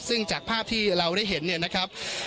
ซึ่งจากภาพที่เราได้เห็นเนี่ยนะครับ